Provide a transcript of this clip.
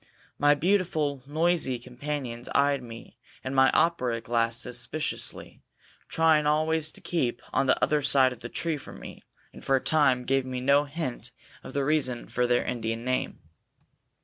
My beautiful, noisy companions eyed me and my opera glass suspiciously, trying always to keep on the other side of the tree from me, and, for a time, gave me no hint of the reason for their Indian name.